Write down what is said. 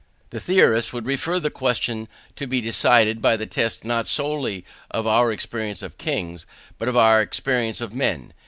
The theorists would refer the question to be decided by the test not solely of our experience of kings, but of our experience of men.